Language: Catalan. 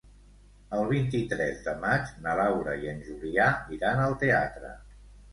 El vint-i-tres de maig na Laura i en Julià iran al teatre.